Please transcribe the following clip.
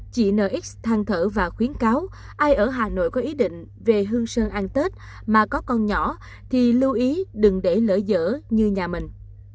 chị nx thang thở và khuyến cáo ai ở hà nội có ý định về hương sơn ăn tết mà có con nhỏ thì lưu ý đừng để lỡ dở như nhà mình